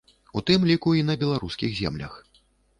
У тым ліку і на беларускіх землях.